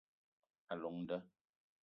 A llong nda